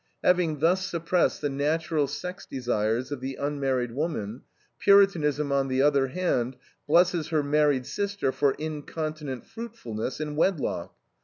Having thus suppressed the natural sex desires of the unmarried woman, Puritanism, on the other hand, blesses her married sister for incontinent fruitfulness in wedlock.